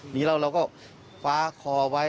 หนีเราเราก็คว้าคอไว้